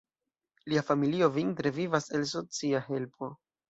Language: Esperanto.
Lia familio vintre vivas el socia helpo.